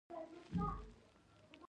عام ټرانسپورټ ته پراختیا ورکوي.